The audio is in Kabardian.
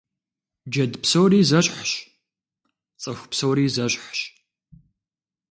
Джэд псори зэщхьщ, цӀыху псори зэщхьщ.